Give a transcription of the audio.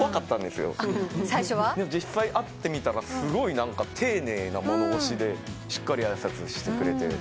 でも実際会ってみたらすごい丁寧な物腰でしっかり挨拶してくれて。